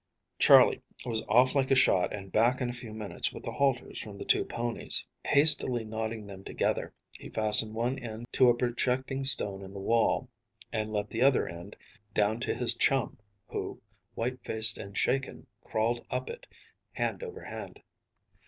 Charley was off like a shot and back in a few minutes with the halters from the two ponies. Hastily knotting them together, he fastened one end to a projecting stone in the wall, and let the other end down to his chum, who, white faced and shaken, crawled up it, hand over hand.